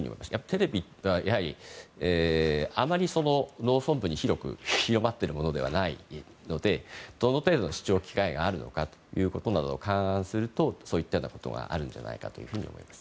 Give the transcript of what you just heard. テレビはあまり農村部に広く広まっているものではないのでどの程度の視聴機会があるのかということなどを勘案するとそういったようなことがあると思います。